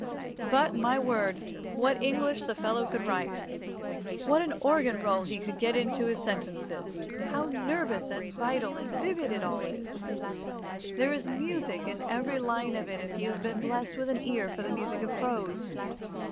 But, my word, what English the fellow could write! What an organ roll he could get into his sentences! How nervous and vital and vivid it all is! There is music in every line of it if you have been blessed with an ear for the music of prose.